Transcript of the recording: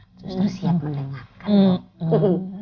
suster siap mendengarkan